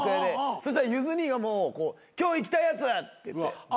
そうしたらゆず兄が今日行きたいやつって言って。